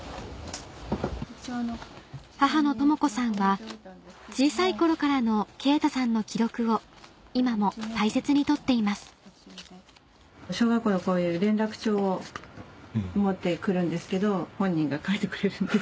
母の智子さんは小さい頃からの勁太さんの記録を今も大切に取っています小学校のこういう連絡帳を持って来るんですけど本人が書いてくれるんです。